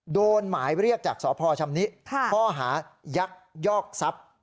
โดนหมายเรียกจากสพชำนิข้อหายักษ์ยอกทรัพย์